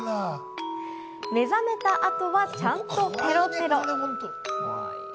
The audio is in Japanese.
目覚めた後はちゃんとペロペロ。